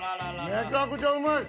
めちゃくちゃうまい。